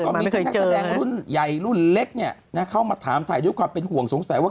ก็มีทั้งนักแสดงรุ่นใหญ่รุ่นเล็กเข้ามาถามถ่ายด้วยความเป็นห่วงสงสัยว่า